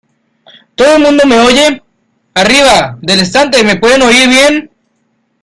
¿ Todo el mundo me oye? ¿ arriba del estante, me pueden oír ? bien.